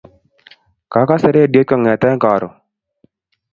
Kakase radiot kongete karon.